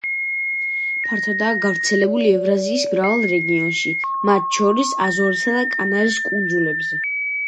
ფართოდაა გავრცელებული ევრაზიის მრავალ რეგიონში, მათ შორის აზორისა და კანარის კუნძულებზე.